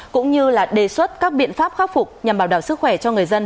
cũng như đề xuất các biện pháp khắc phục nhằm bảo đảo sức khỏe cho người dân